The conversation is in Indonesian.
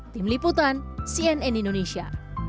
tim liputan cnn indonesia